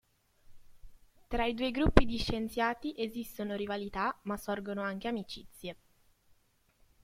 Tra i due gruppi di scienziati esistono rivalità ma sorgono anche amicizie.